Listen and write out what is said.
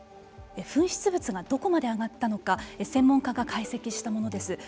噴出物がどこまで上がったか専門家が解析したものです。